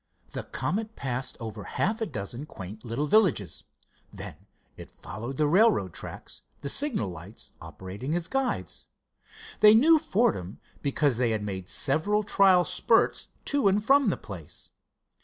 The Comet passed over half a dozen quaint little villages. Then it followed the railroad tracks, the signal lights operating as guides. They knew Fordham, because they had made several trial spurts to and from the place.